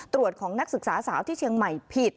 ตรวจของนักศึกษาสาวที่เชียงใหม่ผิด